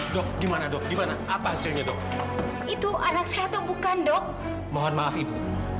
dok gimana dok gimana apa hasilnya tuh itu anak sehat atau bukan dok mohon maaf ibu